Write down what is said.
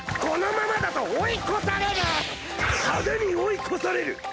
このままだと追い越される！